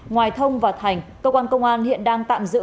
ngoài thông và thành công an hiện đang tạm giữ